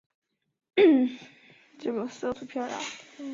雄鱼在接近雌鱼时头部和鳍上会出现结节。